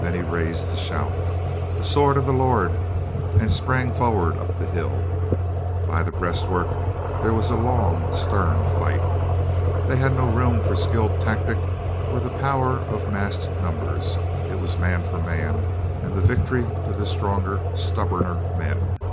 Then he raised the shout, "The sword of the Lord!" and sprang for ward up the hill. By the breastwork there was a long, stern fight. They had no room for skilled tactic, or the power of massed numbers; it was man 174 COLONEL GREATHEART for man, and the victory to the stronger, stubborner men.